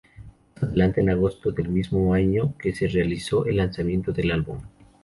Mas adelante en agosto del mismo año que se realizó el lanzamiento del álbum.